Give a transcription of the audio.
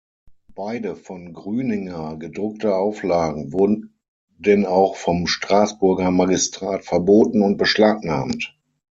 Beide von Grüninger gedruckte Auflagen wurden denn auch vom Straßburger Magistrat verboten und beschlagnahmt.